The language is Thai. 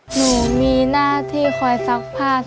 หนูมีหน้าที่คอยซักผ้า